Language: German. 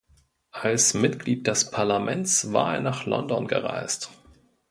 Als Mitglied des Parlaments war er nach London gereist.